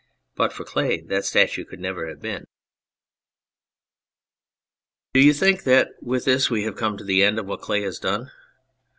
But for clay that statue could never have been. 11 On Anything Do you think that with this we have come to the end of what clay has done